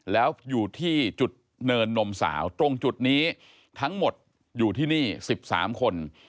แล้วอยู่ที่จุดเนินนมสาวตรงจุดนี้ทั้งหมดอยู่ที่นี่๑๓คน